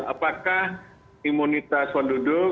apakah imunitas penduduk ada yang menurun